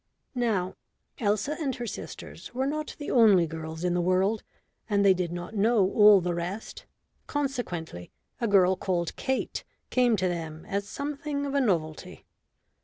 Now, Elsa and her sisters were not the only girls in the world, and they did not know all the rest; consequently a girl called Kate came to them as something of a novelty.